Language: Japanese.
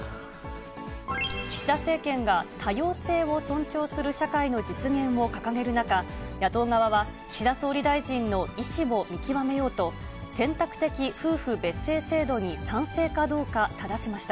岸田政権が、多様性を尊重する社会の実現を掲げる中、野党側は岸田総理大臣の意志を見極めようと、選択的夫婦別姓制度に賛成かどうかただしました。